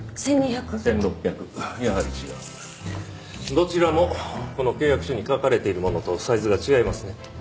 どちらもこの契約書に書かれているものとサイズが違いますね。